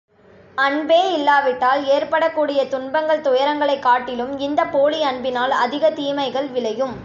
அன்பே இல்லாவிட்டால் ஏற்படக்கூடிய துன்பங்கள் துயரங்களைக் காட்டிலும், இந்தப் போலி அன்பினால் அதிகத் தீமைகள் விளையும்.